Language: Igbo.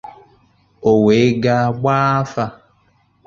o wee ga gbaa afa